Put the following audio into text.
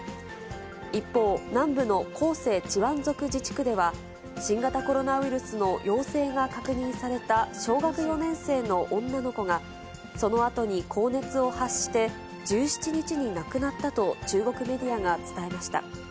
一方、南部の広西チワン族自治区では、新型コロナウイルスの陽性が確認された小学４年生の女の子が、そのあとに高熱を発して１７日に亡くなったと、中国メディアが伝えました。